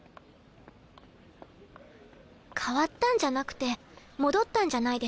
変わったんじゃなくて戻ったんじゃないですか？